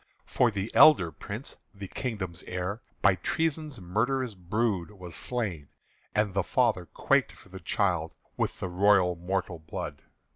For the elder Prince, the kingdom's heir, By treason's murderous brood Was slain; and the father quaked for the child With the royal mortal blood.